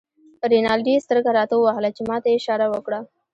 رینالډي سترګه راته ووهله چې ما ته یې اشاره وکړه.